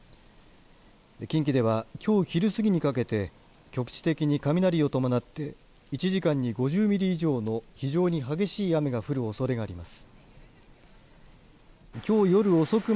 近畿では、きょう昼過ぎにかけて局地的に雷を伴って１時間に５０ミリ以上の非常に激しい雨が降るおそれがあります。